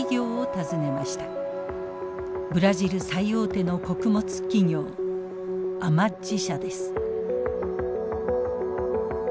ブラジル最大手の穀物企業アマッジ社です。